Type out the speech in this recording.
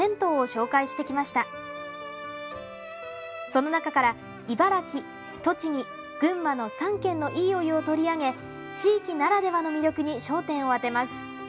その中から茨城栃木群馬の３県のいいお湯を取り上げ地域ならではの魅力に焦点を当てます。